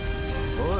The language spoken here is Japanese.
おい。